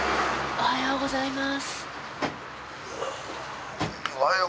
おはようございます。